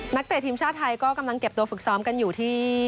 เตะทีมชาติไทยก็กำลังเก็บตัวฝึกซ้อมกันอยู่ที่